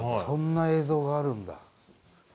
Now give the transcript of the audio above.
そんな映像があるんだ。